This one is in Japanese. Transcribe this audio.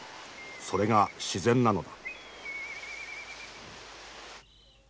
それが自然なのだ。